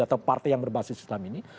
atau partai yang berbasis islam ini